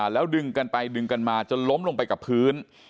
แล้วดึงกันไปดึงกันมาจนล้มลงไปกับพื้น